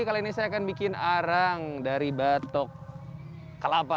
kali ini saya akan bikin arang dari batok kelapa